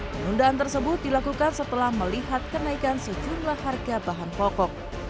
penundaan tersebut dilakukan setelah melihat kenaikan sejumlah harga bahan pokok